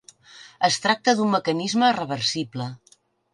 Es tracta d'un mecanisme reversible.